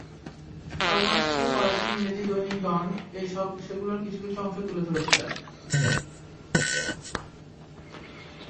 কাওয়াসজি করাচির ইংরেজি দৈনিক ডন-এ সেগুলোর কিছু কিছু অংশ তুলে ধরেছিলেন।